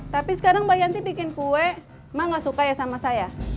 tapi sekarang mbak yanti bikin kue mah gak suka ya sama saya